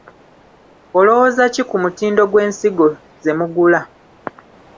Olowooza ki ku mutindo gw’ensigo ze mugula?